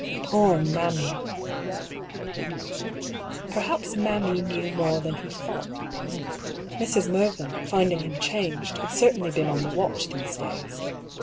Poor " mammy !" Perhaps " mammy " knew more than he thought. Mrs. Mervyn, finding him changed, had certainly been on the watch these days.